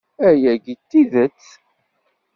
Ayagi d tidet!